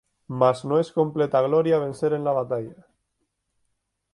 Mas no es completa gloria vencer en la batalla